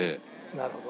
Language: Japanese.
なるほど。